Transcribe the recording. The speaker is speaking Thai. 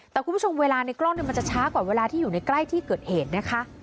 แต่คุณผู้ชมเวลาในกล้องมันจะช้ากว่าเวลาที่อยู่ในใกล้ที่เกิดเหตุนะคะ